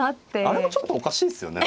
あれもちょっとおかしいっすよね。